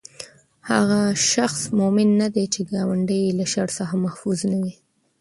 هغه شخص مؤمن نه دی، چې ګاونډی ئي له شر څخه محفوظ نه وي